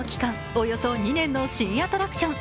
およそ２年の新アトラクション。